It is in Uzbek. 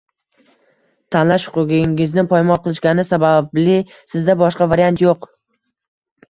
tanlash huquqingizni poymol qilishgani sababli sizda boshqa variant yo‘q.